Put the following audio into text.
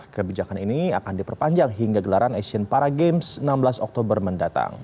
kebijakan ini akan diperpanjang hingga gelaran asian para games enam belas oktober mendatang